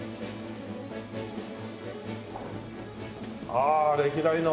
ああ歴代の。